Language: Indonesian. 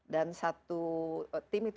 dan satu tim itu